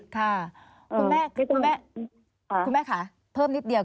ค่ะคุณแม่ค่ะเพิ่มนิดเดียว